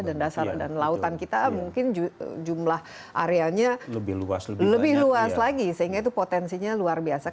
dan dasar dan lautan kita mungkin jumlah areanya lebih luas lagi sehingga itu potensinya luar biasa